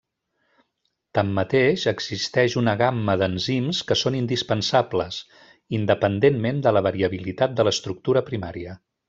Tanmateix, existeix una gamma d'enzims que són indispensables, independentment de la variabilitat de l'estructura primària.